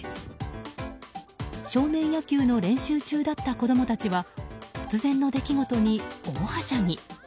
少年野球の練習中だった子供たちは突然の出来事に大はしゃぎ。